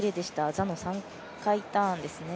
座の３回ターンですね。